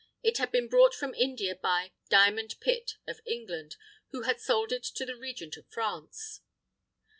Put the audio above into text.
It had been brought from India by "Diamond Pitt" of England, who had sold it to the Regent of France.